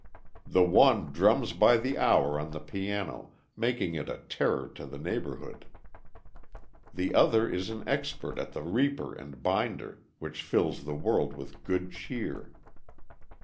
The one drums by the hour on the piano, making it a terror to the neighborhood; The other is an expert at the reaper and binder, which fills the world with good cheer.